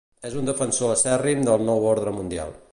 És un defensor acèrrim del nou ordre mundial.